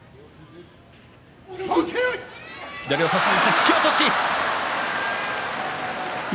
突き落とし錦